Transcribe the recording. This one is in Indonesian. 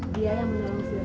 dia yang belum siap ditangkap